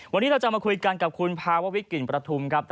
วันนี้เราจะมาคุยกันกับคุณภาววิทกลิ่นประทุมครับ